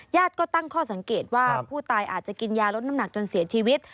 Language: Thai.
ก็ตั้งข้อสังเกตว่าผู้ตายอาจจะกินยาลดน้ำหนักจนเสียชีวิต